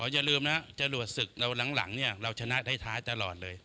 อย่าลืมนะจรวดศึกหลังเนี่ยเราชนะท้ายตลอดเลย